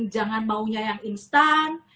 jangan maunya yang instan